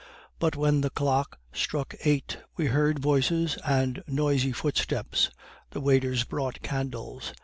But when the clock struck eight, we heard voices and noisy footsteps; the waiters brought candles.